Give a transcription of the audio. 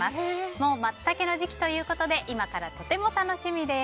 もうマツタケの時期ということで今からとても楽しみです。